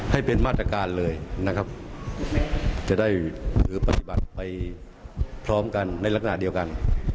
ให้เป็นมาตรการเลยนะครับจะได้หรือปฏิบัติไปพร้อมกันในลักษณะเดียวกัน